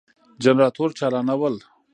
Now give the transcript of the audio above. جنراتور چالانول ،